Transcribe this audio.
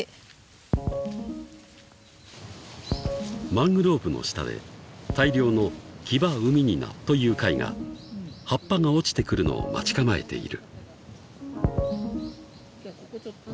［マングローブの下で大量のキバウミニナという貝が葉っぱが落ちてくるのを待ち構えている］